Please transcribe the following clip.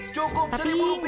cukup seribu rupiah